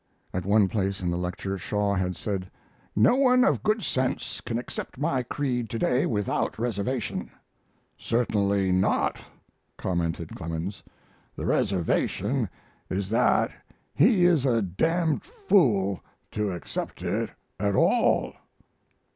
At one place in the lecture Shaw had said: "No one of good sense can accept any creed to day without reservation." "Certainly not," commented Clemens; "the reservation is that he is a d d fool to accept it at all."